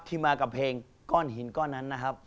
มากับเพลงก้อนหินก้อนนั้นนะครับ